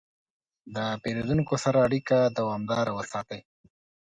د پیرودونکو سره اړیکه دوامداره وساتئ.